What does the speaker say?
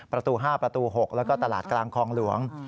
ประตู๕ประตู๖แล้วก็ตลาดกลางคลองหลวง